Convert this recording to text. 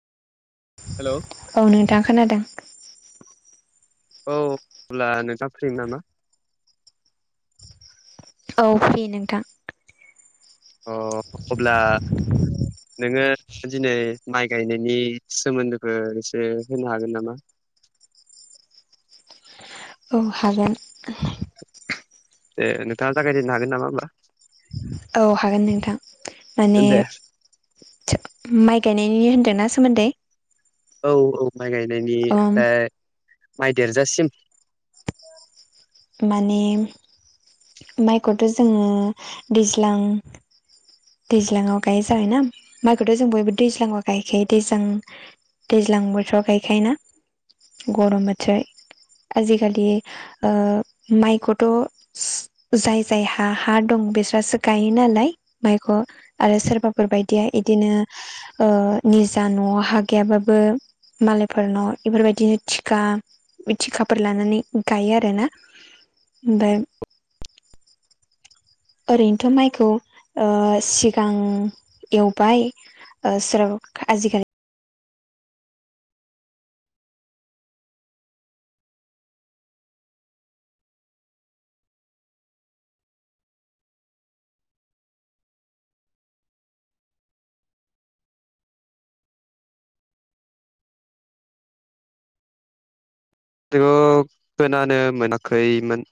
Hello औ नोंथां खोनादों। औ होमब्ला नोंथां फ्रि नामा? औ फ्रि नोंथां अ अब्ला नोङो दिनै माइ गायनायनि सोमोन्दोखौ एसे होनो हागोन नामा? औ हागोन दे नोंथाङा जागायजेननो हागोन नामा होमबा? औ हागोन नोंथां माने दे माइ गायनायनि होन्दोंना सोमोन्दै? औ औ माइ ओम गायनायनिफ्राय माइ देरजासिम। माने माइखौथ जोङो दैज्लां दैज्लाङाव गायो जायो ना। माइखौथ' जों बयबो दैज्लाङाव गायखायो दैज्लां दैज्लां बोथोराव गायखायो ना। गरम बोथोर आजिखालि ओ माइखौथ जाय जायहा हा दं बिस्रासो गायो नालाय माइख' आरो सोरबाफोर बायदिया इदिनो ओ निजा नआव हा गैयाबाबो मालायफोरनाव इफोरबायदिनो थिका थिखाफोर लानानै गायो आरो ना। [unintelligible] ओरैनोथ माइखौ ओ सिगां एवबाय ओ सोर आजिखालि [unintelligible] खोनानो मोनाखैमोन